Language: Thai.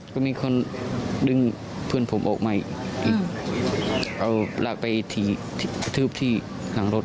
ก็มีคนดึงเพื่อนผมออกมาอีกเอาลากไปกระทืบที่หลังรถ